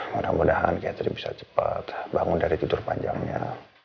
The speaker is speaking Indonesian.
mudah mudahan katrien bisa cepet bangun dari tidur panjangnya